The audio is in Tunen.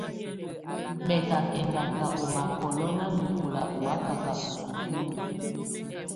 Mɛ̀ kà kɛndaka ù makɔlɔ̀ nanɛkɔ̀la û wakaka ù sukulu.